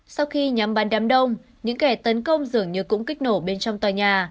sau khi nhắm bàn đám đông những kẻ tấn công dường như cũng kích nổ bên trong tòa nhà